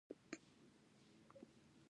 ډيپلومات له خبریالانو سره همږغي کوي.